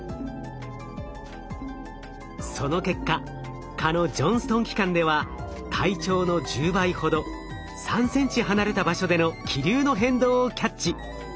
その結果蚊のジョンストン器官では体長の１０倍ほど３ｃｍ離れた場所での気流の変動をキャッチ。